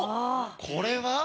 これは。